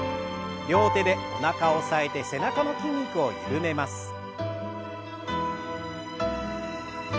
両手でおなかを押さえて背中の筋肉を緩めます。